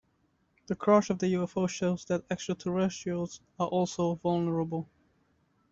The crash of the UFO shows that extraterrestrials are also vulnerable.